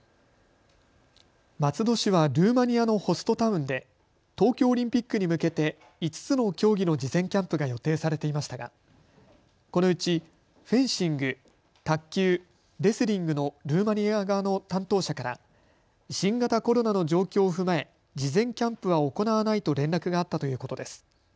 松戸市はルーマニアのホストタウンで東京オリンピックに向けて５つの競技の事前キャンプが予定されていますがこのうちフェンシング、卓球、レスリングのルーマニア側の担当者から新型コロナの状況を踏まえ事前キャンプは行わないと連絡があったということです。